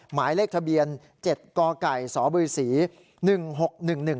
หมายเลขทะเบียนเจ็ดกไก่สบศหนึ่งหกหนึ่งหนึ่ง